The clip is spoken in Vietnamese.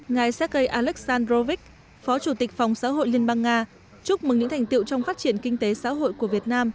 ngài xét gây aleksandrovich phó chủ tịch phòng xã hội liên bang nga chúc mừng những thành tiệu trong phát triển kinh tế xã hội của việt nam